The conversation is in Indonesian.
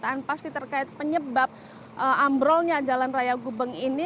pertanyaan pasti terkait penyebab ambrolnya jalan raya gubeng ini